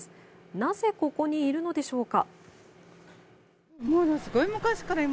なぜここにいるのでしょうか。